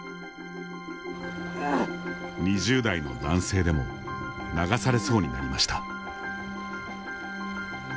２０代の男性でも流されそうになりました。